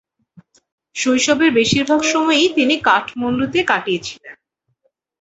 শৈশবের বেশিরভাগ সময়ই তিনি কাঠমান্ডুতে কাটিয়েছিলেন।